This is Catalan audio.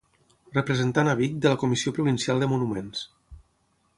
Representant a Vic de la comissió provincial de Monuments.